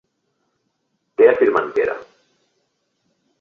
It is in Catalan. Què afirmen que era?